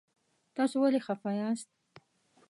تاسو ولې خفه یاست؟